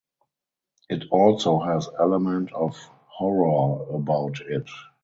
It also has element of horror about it.